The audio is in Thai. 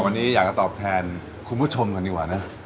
วันนี้อยากจะตอบแทนคุณผู้ชมกันดีกว่านะ